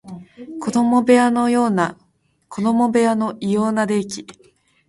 子供部屋の異様な冷気